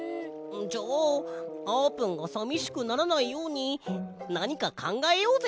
じゃああーぷんがさみしくならないようになにかかんがえようぜ。